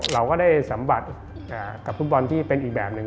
เราก็ได้สัมผัสกับฟุตบอลที่เป็นอีกแบบหนึ่ง